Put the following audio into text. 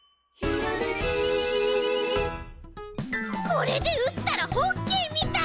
これでうったらホッケーみたい。